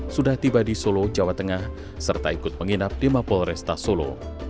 sudah tiba di solo jawa tengah serta ikut menginap di mapol resta solo